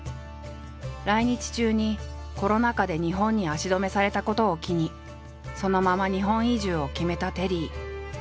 来日中にコロナ禍で日本に足止めされたことを機にそのまま日本移住を決めたテリー。